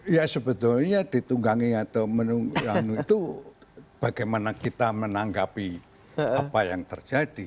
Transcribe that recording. ya sebetulnya ditunggangi atau menunggang itu bagaimana kita menanggapi apa yang terjadi